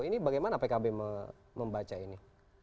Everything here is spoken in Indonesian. ini bagaimana pkb membaca ini